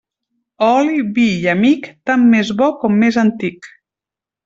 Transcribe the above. Oli, vi i amic, tant més bo com més antic.